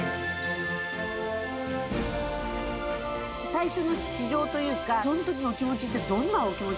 最初の試乗というかその時の気持ちってどんなお気持ちでした？